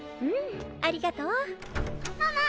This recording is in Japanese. うんありがとう。